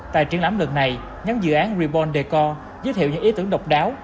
tại triển lãm lần này nhóm dự án reborn decor giới thiệu những ý tưởng độc đáo